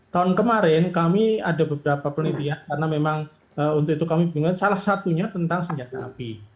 tahun kemarin kami ada beberapa penelitian karena memang untuk itu kami bingung salah satunya tentang senjata api